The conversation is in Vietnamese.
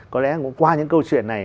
có lẽ cũng qua những câu chuyện này